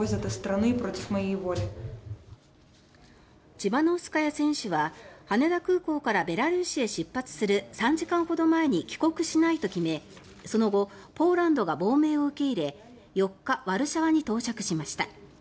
チマノウスカヤ選手は羽田空港からベラルーシへ出発する３時間ほど前に帰国しないと決めその後、ポーランドが亡命を受け入れ４日、ワルシャワに到着しました。